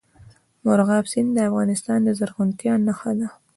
مورغاب سیند د افغانستان د زرغونتیا نښه ده.